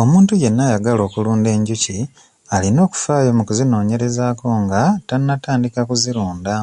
Omuntu yenna ayagala okulunda enjuki alina okufaayo mu kuzinoonyerezaako nga tannatandika kuzirunda.